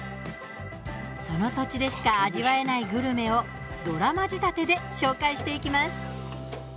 その土地でしか味わえないグルメをドラマ仕立てで紹介していきます。